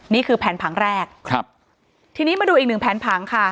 นี่คือแผนผังแรกครับทีนี้มาดูอีกหนึ่งแผนผังค่ะ